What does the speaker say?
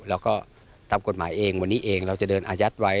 แล้วก็ตามกฎหมายเองวันนี้เองเราจะเดินอายัดไว้